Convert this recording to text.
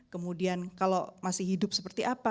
kemudian kalau masih hidup seperti apa